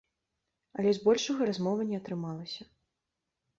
Але з большага размова не атрымалася.